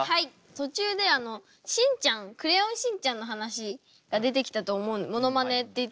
途中で「クレヨンしんちゃん」の話が出てきたと思うモノマネって言ってたんですけど